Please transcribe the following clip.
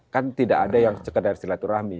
kan tidak ada yang sekedar silaturahmi